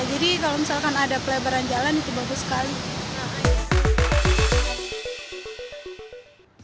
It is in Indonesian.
jadi kalau misalkan ada pelebaran jalan itu bagus sekali